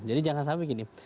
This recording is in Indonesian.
jadi jangan sampai gini